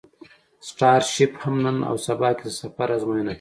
سټارشیپ هم نن او سبا کې د سفر ازموینه کوي.